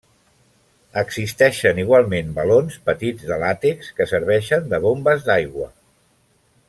Existeixen igualment balons petits de làtex que serveixen de bombes d'aigua.